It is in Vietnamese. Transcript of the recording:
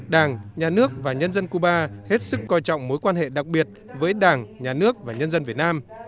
đảng nhà nước và nhân dân cuba hết sức coi trọng mối quan hệ đặc biệt với đảng nhà nước và nhân dân việt nam